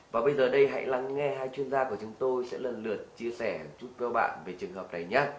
và bây giờ đây hãy lắng nghe hai chuyên gia của chúng tôi sẽ lần lượt chia sẻ chút với bạn về trường hợp này nhé